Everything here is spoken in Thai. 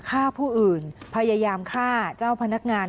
ฆ่าผู้อื่นพยายามฆ่าเจ้าพนักงาน